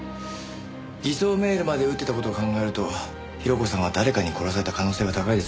偽装メールまで打ってた事を考えると広子さんは誰かに殺された可能性が高いですよね。